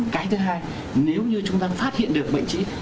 cái thứ hai nếu như chúng ta phát hiện được bệnh sĩ